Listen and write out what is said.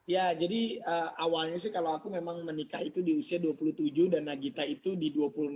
ya jadi awalnya sih kalau aku memang menikah itu di usia dua puluh tujuh dan nagita itu di dua puluh enam